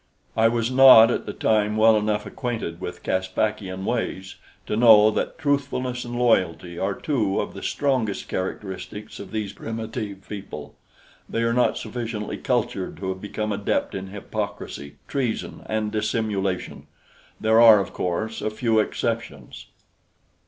I was not at the time well enough acquainted with Caspakian ways to know that truthfulness and loyalty are two of the strongest characteristics of these primitive people. They are not sufficiently cultured to have become adept in hypocrisy, treason and dissimulation. There are, of course, a few exceptions.